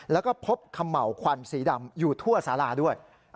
แล้วก็พบเขม่าวควันสีดำอยู่ทั่วสาราด้วย